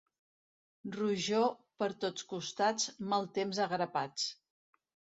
Rojor per tots costats, mal temps a grapats.